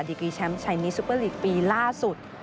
ดีกรีแชมป์ชัยนิสซุปเปอร์ลีกปีล่าสุด